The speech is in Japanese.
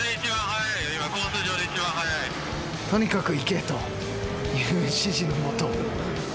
とにかく行けという指示のもと。